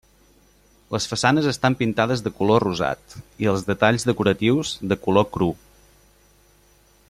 Les façanes estan pintades de color rosat, i els detalls decoratius de color cru.